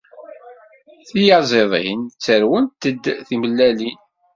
Tiyaziḍin ttarwent-d timellalin.